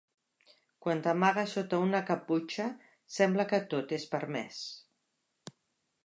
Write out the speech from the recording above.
Quan t'amagues sota una caputxa sembla que tot és permès.